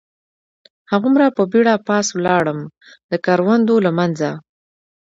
هغومره په بېړه پاس ولاړم، د کروندو له منځه.